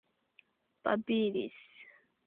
babilis